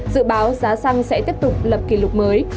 dự báo giá xăng sẽ tiếp tục lập kỷ lục mới